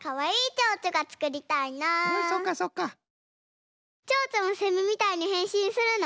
チョウチョもセミみたいにへんしんするの？